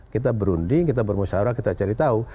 kita berunding kita bermusyawarah kita cari tahu